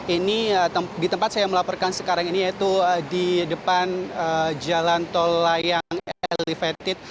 ini di tempat saya melaporkan sekarang ini yaitu di depan jalan tol layang elevated